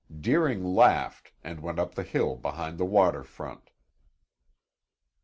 Deering laughed and went up the hill behind the water front.